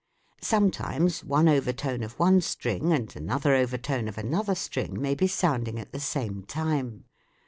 Sometimes one over tone of one string and another overtone of an other string may be sounding at the same time.